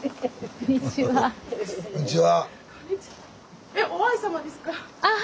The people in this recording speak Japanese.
こんにちはえっ！